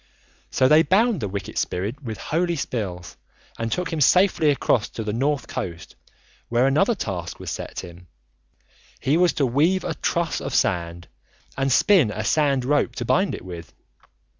So they bound the wicked spirit with holy spells and took him safely across to the north coast, where another task was set him. He was to weave a truss of sand and spin a sand rope to bind it with.